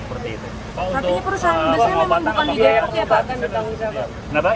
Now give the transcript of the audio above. artinya perusahaan busnya memang bukan di geyot ya pak